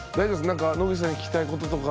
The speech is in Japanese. なんか野口さんに聞きたいこととか。